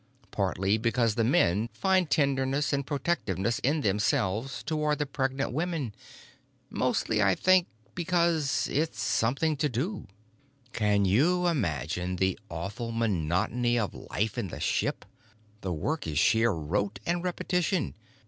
Partly because the men find tenderness and protectiveness in themselves toward the pregnant women. Mostly, I think, because—it's something to do. "Can you imagine the awful monotony of life in the ship? The work is sheer rote and repetition.